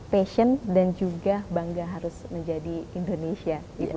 passion dan juga bangga harus menjadi indonesia